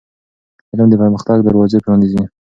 علم د پرمختګ دروازې پرانیزي.